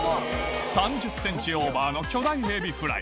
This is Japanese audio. ３０ｃｍオーバーの巨大エビフライ